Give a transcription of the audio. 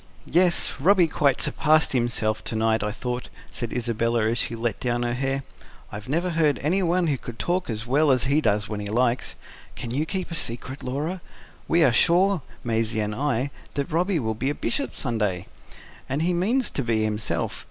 "Yes, Robby quite surpassed himself to night, I thought," said Isabella as she let down her hair. "I never heard anyone who could talk as well as he does when he likes. Can you keep a secret, Laura? We are sure, Maisie and I, that Robby will be a Bishop some day. And he means to be, himself.